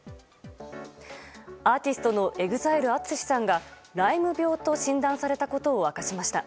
アーティストのＥＸＩＬＥＡＴＳＵＳＨＩさんがライム病と診断されたことを明かしました。